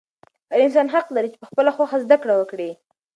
هر انسان حق لري چې په خپله خوښه زده کړه وکړي.